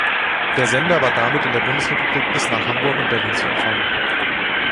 Der Sender war damit in der Bundesrepublik bis nach Hamburg und Berlin zu empfangen.